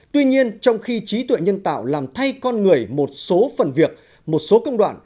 tuy nhiên trong khi trí tuệ nhân tạo làm thay con người một số phần việc một số công đoạn